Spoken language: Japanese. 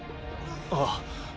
ああ。